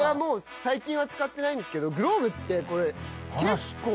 最近は使ってないんですけどグローブってこれ結構。